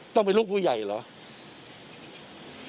ต้องเป็นลูกผู้ใหญ่เหรอ